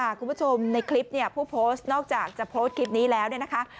คุณผู้ชมในคลิปเนี่ยผู้โพสต์นอกจากจะโพสต์คลิปนี้แล้วเนี่ยนะคะ